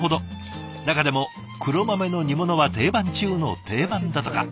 中でも黒豆の煮物は定番中の定番だとか。